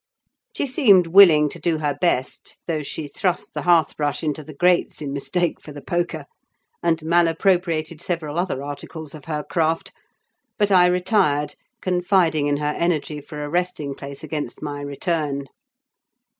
She seemed willing to do her best; though she thrust the hearth brush into the grates in mistake for the poker, and malappropriated several other articles of her craft: but I retired, confiding in her energy for a resting place against my return.